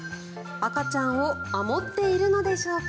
赤ちゃんを守っているのでしょうか。